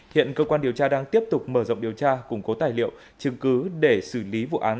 hiện cơ quan điều tra đang tiếp tục mở rộng điều tra củng cố tài liệu chứng cứ để xử lý vụ án